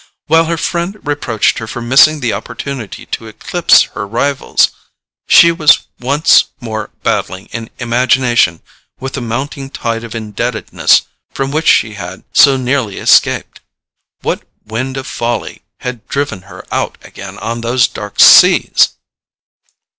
While her friend reproached her for missing the opportunity to eclipse her rivals, she was once more battling in imagination with the mounting tide of indebtedness from which she had so nearly escaped. What wind of folly had driven her out again on those dark seas?